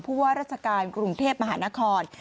ว่าราชการกรุงเทพมหานคร